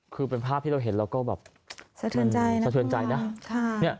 คือเป็นภาพที่เราเห็นเราก็แบบสะเทินใจนะครับสะเทินใจนะค่ะเนี่ย